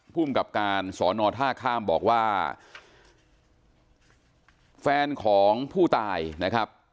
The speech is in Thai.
ภูมิกับการสอนอท่าข้ามบอกว่าแฟนของผู้ตายนะครับ